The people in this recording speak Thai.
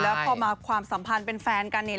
แล้วพอมาความสัมพันธ์เป็นแฟนกันเนี่ย